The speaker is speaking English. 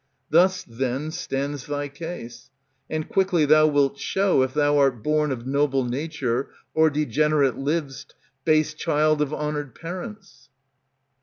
Thus, then, stands thy case ; And quickly thou wilt show, if thou art born Of noble nature, or degenerate liv'st, Base child of honoured parents.